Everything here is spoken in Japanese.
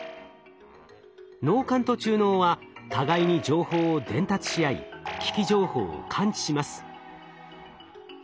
脳幹と中脳は互いに情報を伝達し合い危機情報を感知します。